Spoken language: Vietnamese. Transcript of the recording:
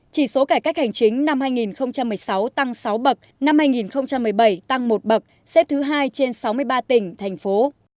chỉ số cải cách hành chính năm hai nghìn một mươi sáu tăng sáu bậc năm hai nghìn một mươi bảy tăng một bậc xếp thứ hai trên sáu mươi ba tỉnh thành phố